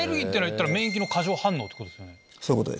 そういうことです。